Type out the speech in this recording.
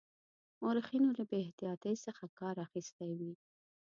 مورخینو له بې احتیاطی څخه کار اخیستی وي.